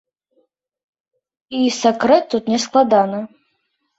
І сакрэт тут нескладаны.